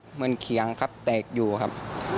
เขียงครับแตกอยู่ครับ